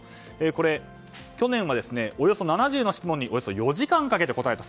これは、去年はおよそ７０の質問におよそ４時間かけて答えた。